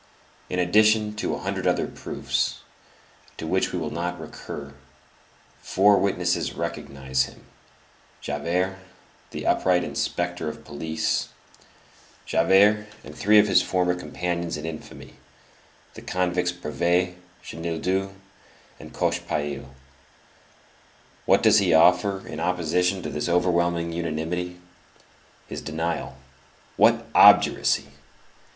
In addition to a hundred other proofs, to which we will not recur, four witnesses recognize him—Javert, the upright inspector of police; Javert, and three of his former companions in infamy, the convicts Brevet, Chenildieu, and Cochepaille. What does he offer in opposition to this overwhelming unanimity? His denial. What obduracy!